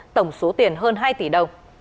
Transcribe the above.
tổng số tiền hơn hai tỷ đồng